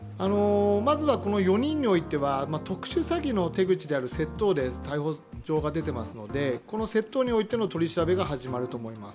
まずはこの４人においては特殊詐欺の手口である窃盗で逮捕状が出ていますのでこの窃盗においての取り調べが始まると思います。